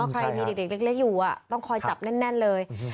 ใครมีเด็กเล็กอยู่ต้องคอยจับแน่นเลย